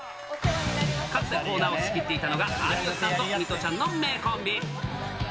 かつて仕切っていたのが、有吉さんと水卜ちゃんの名コンビ。